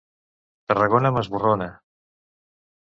Tarragona m'esborrona.